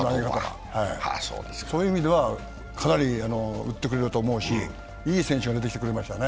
そういう意味では、かなり打ってくれると思うし、いい選手が出てきてくれましたね。